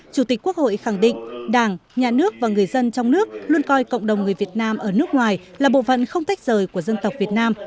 chủ tịch quốc hội khẳng định đảng nhà nước và người dân trong nước luôn coi cộng đồng người việt nam ở nước ngoài là bộ phận không tách rời của dân tộc việt nam